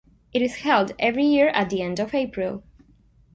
It is held every year at the end of April.